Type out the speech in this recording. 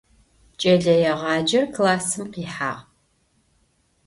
Кӏэлэегъаджэр классым къихьагъ.